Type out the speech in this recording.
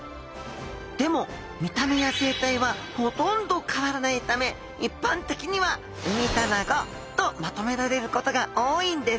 でも見た目や生態はほとんど変わらないため一般的にはウミタナゴとまとめられることが多いんです。